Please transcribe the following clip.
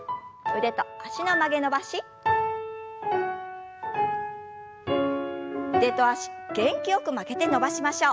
腕と脚元気よく曲げて伸ばしましょう。